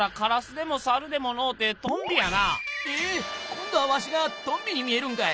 今どはわしがトンビに見えるんかい」。